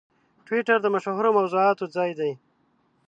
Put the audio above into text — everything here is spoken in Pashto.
ټویټر د مشهورو موضوعاتو ځای دی.